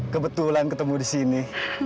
kebetulan ketemu di sini